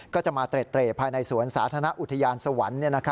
ก็จะมาเตรภายในสวนสาธารณะอุทยานสวรรค์